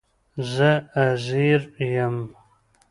زه عزير يم